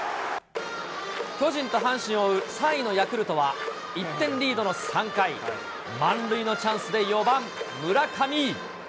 巨人と阪神を追う３位のヤクルトは、１点リードの３回、満塁のチャンスで４番村上。